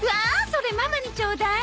それママにちょうだい